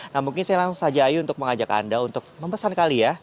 nah mungkin saya langsung saja ayo untuk mengajak anda untuk mempesan kali ya